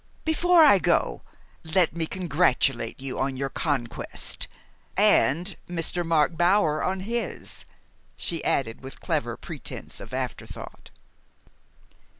Before I go, let me congratulate you on your conquest and Mr. Mark Bower on his," she added, with clever pretense of afterthought.